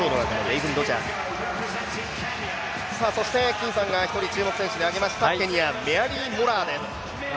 金さんが１人、注目選手にあげました、ケニア、メアリー・モラアです。